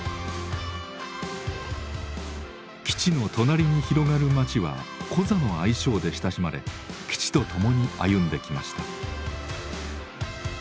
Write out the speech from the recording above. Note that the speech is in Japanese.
基地の隣に広がる街はコザの愛称で親しまれ基地と共に歩んできました。